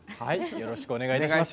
よろしくお願いします。